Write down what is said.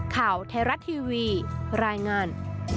ข่าวแทระทีวีรายงาน